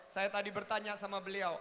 saya tadi bertanya sama beliau